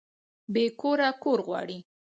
بې کوره کور غواړي